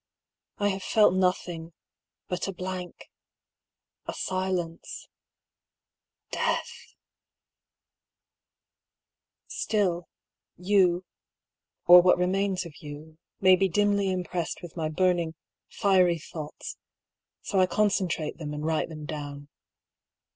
I have felt nothing — but a blank — a silence — death /... Still, you, or what remains of you, may be dimly im pressed with my burning, fiery thoughts ; so I concen trate them and write them down.